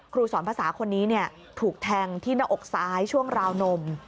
ครูสอนภาษาคนนี้ถูกแทงที่หน้าอกซ้ายช่วงราวนม